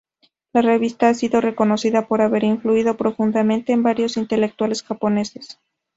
La revista ha sido reconocida por haber influido profundamente en varios intelectuales japoneses.